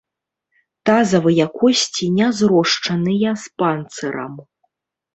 Тазавыя косці не зрошчаныя з панцырам.